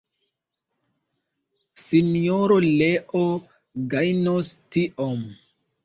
Sinjoro Leo gajnos tiom.